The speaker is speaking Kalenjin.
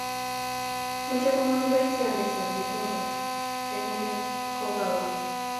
Meche komong kiboitindet tab jehovah eng olagokawa